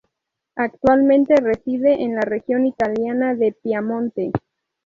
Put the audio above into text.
Actualmente reside en la región italiana de Piamonte.